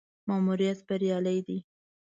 ماموریت بریالی دی.